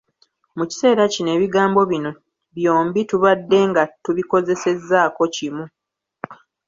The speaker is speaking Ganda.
Mu kiseera kino ebigambo bino byombi tubadde nga tubikozesezaako kimu.